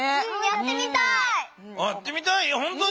やってみたい！